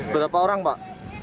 berapa orang pak